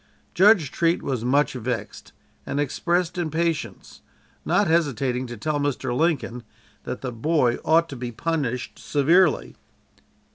Judge Treat was much vexed, and expressed impatience, not hesitating to tell Mr. Lincoln that the boy ought to be punished severely.